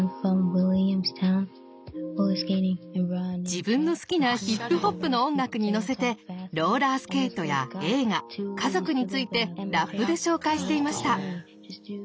自分の好きなヒップホップの音楽にのせてローラースケートや映画家族についてラップで紹介していました。